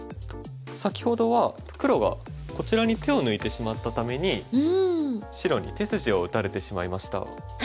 先ほどは黒がこちらに手を抜いてしまったために白に手筋を打たれてしまいました。